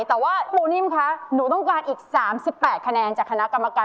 แต่ว่าปูนิ่มคะหนูต้องการอีก๓๘คะแนนจากคณะกรรมการ